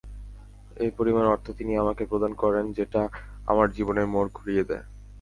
একই পরিমাণ অর্থ তিনি আমাকে প্রদান করেন যেটা আমার জীবনের মোড় ঘুরিয়ে দেয়।